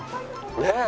ねえ！